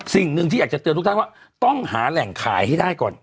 สิ่งหนึ่งที่อยากจะเตือนทุกท่านว่าต้องหาแหล่งขายให้ได้ก่อน